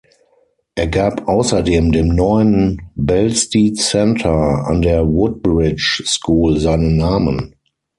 Er gab außerdem dem neuen „Belstead Centre“ an der Woodbridge School seinen Namen.